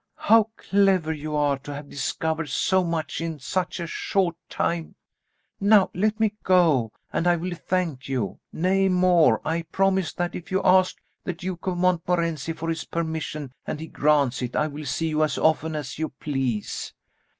"How clever you are to have discovered so much in such a short time. Now let me go, and I will thank you; nay more, I promise that if you ask the Duke of Montmorency for his permission, and he grants it, I will see you as often as you please."